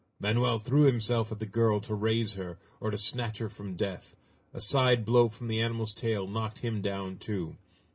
Manoel threw himself at the girl to raise her, or to snatch her from death! A side blow from the animal's tail knocked him down too.